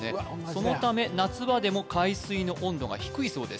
そのため夏場でも海水の温度が低いそうです